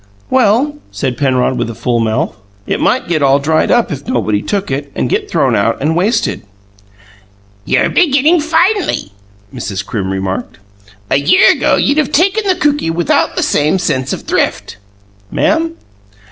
"Well," said Penrod, with a full mouth, "it might get all dried up if nobody took it, and get thrown out and wasted." "You're beginning finely," Mrs. Crim remarked. "A year ago you'd have taken the cookie without the same sense of thrift." "Ma'am?"